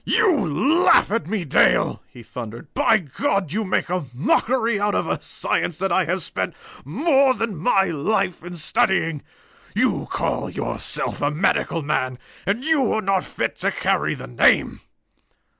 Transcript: "You laugh at me, Dale," he thundered. "By God, you make a mockery out of a science that I have spent more than my life in studying! You call yourself a medical man and you are not fit to carry the name!